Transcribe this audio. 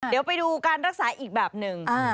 เดี๋ยวไปดูการรักษาอีกแบบหนึ่ง